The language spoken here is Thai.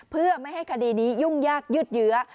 เพื่อไม่ให้คดีนี้ยุ่งยากยืดเยื้อ